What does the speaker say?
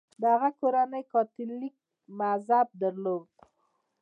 د هغه کورنۍ کاتولیک مذهب درلود.